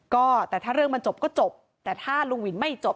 ก็แต่ถ้าเรื่องมันจบก็จบแต่ถ้าลุงวินไม่จบ